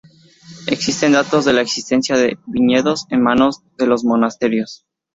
Existen datos de la existencia de viñedos en manos de los monasterios.